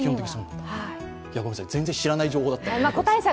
全然知らない情報だったんで。